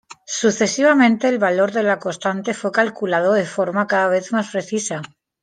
Sucesivamente el valor de la constante fue calculado de forma cada vez más precisa.